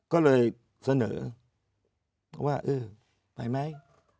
ก็เลยเสนอว่าเออไปไหม